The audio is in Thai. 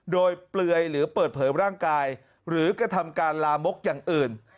โดยเปลือยหรือเปิดเผยร่างกายหรือกระทำการลามกอย่างอื่น